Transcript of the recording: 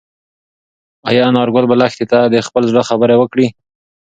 ایا انارګل به لښتې ته د خپل زړه خبره وکړي؟